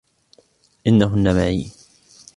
إنّهنّ معي.